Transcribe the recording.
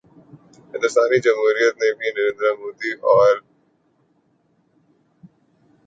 ہندوستانی جمہوریت نے بھی نریندر مودی اورہندوانہ تعصب پیدا کیا۔